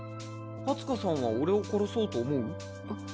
ハツカさんは俺を殺そうと思う？